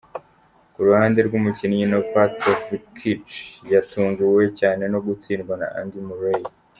Ku ruhande rwe, umukinnyi Novak djokovic yatunguwe cyane no gutsindwa na Andy Murray .